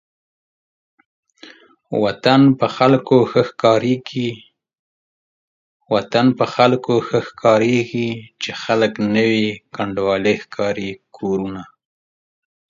وطن په خلکو ښه ښکاريږي چې خلک نه وي کنډوالې ښکاري کورونه